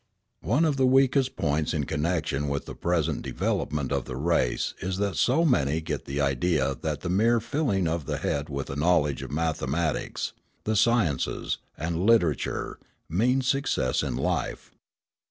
One of the weakest points in connection with the present development of the race is that so many get the idea that the mere filling of the head with a knowledge of mathematics, the sciences, and literature, means success in life.